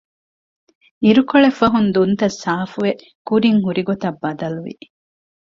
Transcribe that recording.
އިރުކޮޅެއްފަހުން ދުންތައް ސާފުވެ ކުރިން ހުރި ގޮތަށް ބަދަލުވި